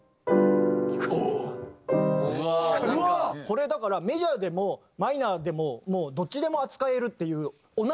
これだからメジャーでもマイナーでももうどっちでも扱えるっていう同じ音なの。